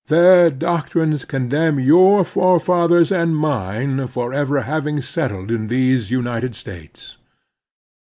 Their doctrines condemn your forefathers and mine for ever ^having settled in these United States.